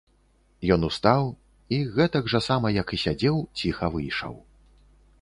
Ён устаў і, гэтак жа сама як і сядзеў, ціха выйшаў.